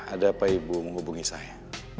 ada apa ibu menghubungi saya